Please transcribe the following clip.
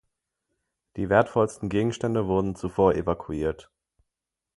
Die wertvollsten Gegenstände wurden zuvor evakuiert.